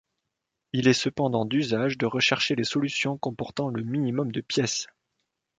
Il est cependant d'usage de rechercher les solutions comportant le minimum de pièces.